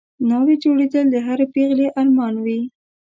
ناوې جوړېدل د هرې پېغلې ارمان وي